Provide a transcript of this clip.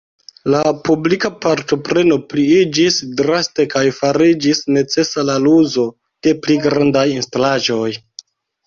La publika partopreno pliiĝis draste kaj fariĝis necesa la uzo de pli grandaj instalaĵoj.